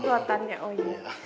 komplotannya oh iya